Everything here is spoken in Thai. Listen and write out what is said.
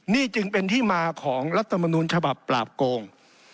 นี่จึงเป็นที่มาของรัฐมนุนฉบับปราบโกง